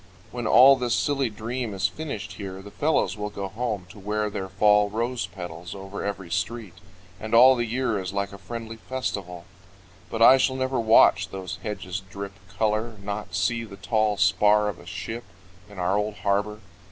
When all this silly dream is finished here, The fellows will go home to where there fall Rose petals over every street, and all The year is like a friendly festival. But I shall never watch those hedges drip Color, not see the tall spar of a ship In our old harbor.